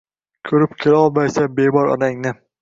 Ko’rib kelolmaysan bemor onangni